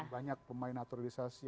banyak pemain naturalisasi